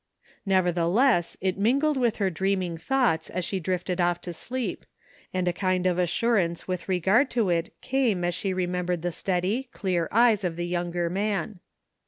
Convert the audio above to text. Nevertheless, it mingled with her dreaming thoughts as she drifted off to sleep, and a kind of assurance with regard to it came as she remembered the steady, clear eyes of the younger man.